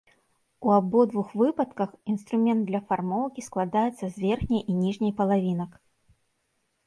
У абодвух выпадках, інструмент для фармоўкі, складаецца з верхняй і ніжняй палавінках.